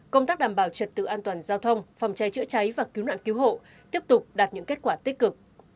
công tác đảm bảo trật tự an toàn giao thông phòng cháy chữa cháy và cứu nạn cứu hộ tiếp tục đạt những kết quả tích cực